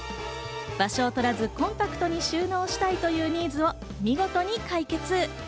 場所をとらずコンパクトに収納したいというニーズを見事に解決。